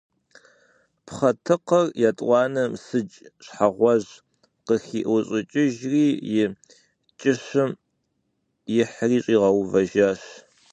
Пхъэтыкъыр етӀуанэм сыдж щхьэгъуэжь къыхиӀущӀыкӀыжри, и кӀыщым ихьри щигъэуващ.